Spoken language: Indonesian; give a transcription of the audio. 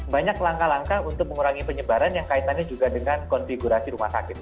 karena banyak langkah langkah untuk mengurangi penyebaran yang kaitannya juga dengan konfigurasi rumah sakit